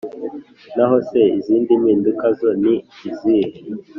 Naho se izindi mpinduka zo ni izihe?